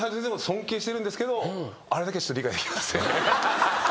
尊敬してるんですけどあれだけはちょっと理解できなくて。